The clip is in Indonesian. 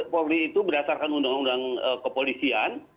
polri itu berdasarkan undang undang kepolisian